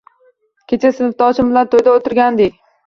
Kecha sinfdoshim bilan toʻyda oʻtirgandik.